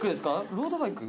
ロードバイク？